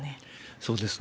そうですね。